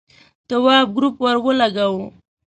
تواب گروپ ور ولگاوه.